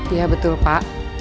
iya betul pak